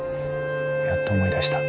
やっと思い出した。